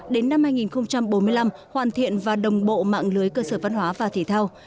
đến năm hai nghìn bốn mươi năm hoàn thiện và đồng bộ mạng lưới cơ sở văn hóa và thể thao